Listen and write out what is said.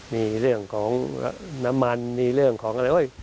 มีเรื่องของน้ำมันมีเรื่องของอะไร